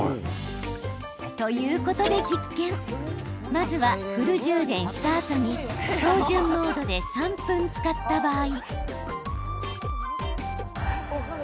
まずは、フル充電したあとに標準モードで３分使った場合。